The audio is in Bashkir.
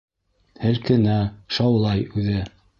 Һелкенә, шаулай үҙе.